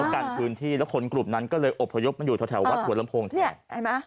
กันพื้นที่แล้วคนกลุ่มนั้นก็เลยอบพยพมาอยู่แถววัดหัวลำโพงแทน